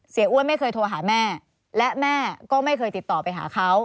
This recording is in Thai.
อ้วนไม่เคยโทรหาแม่และแม่ก็ไม่เคยติดต่อไปหาเขา